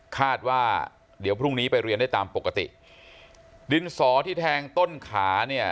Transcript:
คาดว่าเดี๋ยวพรุ่งนี้ไปเรียนได้ตามปกติดินสอที่แทงต้นขาเนี่ย